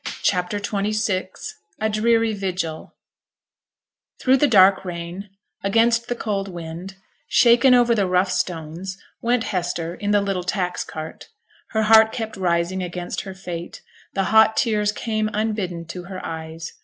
CHAPTER XXVI A DREARY VIGIL Through the dark rain, against the cold wind, shaken over the rough stones, went Hester in the little tax cart. Her heart kept rising against her fate; the hot tears came unbidden to her eyes.